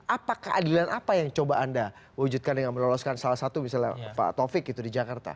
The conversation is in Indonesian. apa keadilan apa yang coba anda wujudkan dengan meloloskan salah satu misalnya pak taufik gitu di jakarta